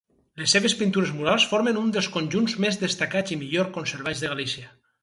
Les seves pintures murals formen un dels conjunts més destacats i millor conservats de Galícia.